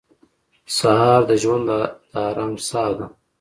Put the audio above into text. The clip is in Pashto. سهار د ژوند د ارام ساه ده.